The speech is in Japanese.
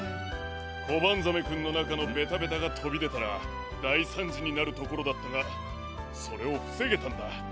コバンザメくんのなかのベタベタがとびでたらだいさんじになるところだったがそれをふせげたんだ。